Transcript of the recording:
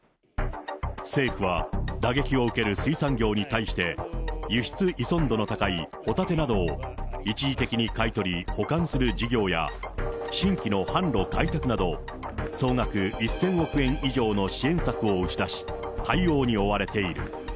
政府は、打撃を受ける水産業に対して、輸出依存度の高いホタテなどを一時的に買い取り、保管する事業や、新規の販路開拓など、総額１０００億円以上の支援策を打ち出し、対応に追われている。